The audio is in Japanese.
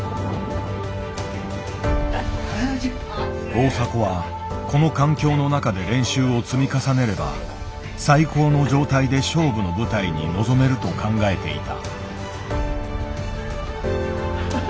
大迫はこの環境の中で練習を積み重ねれば最高の状態で勝負の舞台に臨めると考えていた。